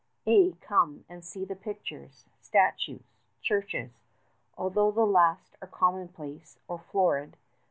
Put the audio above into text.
Ay, come, and see the pictures, statues, churches, Although the last are commonplace, or florid.